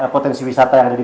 potensi wisata yang ada di